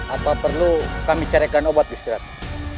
apa perlu kami carikan obat gusti ratu